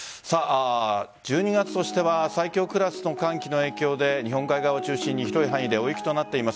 １２月としては最強クラスの寒気の影響で日本海側を中心に広い範囲で大雪となっています。